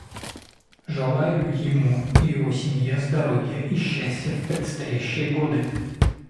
Желаю ему и его семье здоровья и счастья в предстоящие годы.